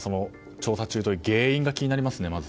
調査中という原因が気になりますね、まず。